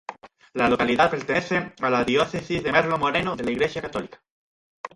La localidad pertenece a la Diócesis de Merlo-Moreno de la Iglesia católica.